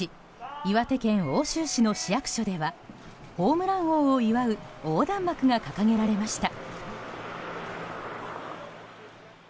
岩手県奥州市の市役所ではホームラン王を祝う横断幕が掲げられました。